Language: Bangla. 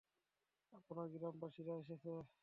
আপনার গ্রামবাসীরা এসেছে।